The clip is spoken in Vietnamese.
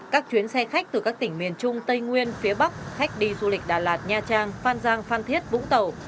các chuyến xe khách từ các tỉnh miền trung tây nguyên phía bắc khách đi du lịch đà lạt nha trang phan giang phan thiết vũng tàu